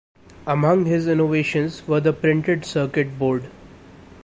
Among his innovations were the printed circuit board.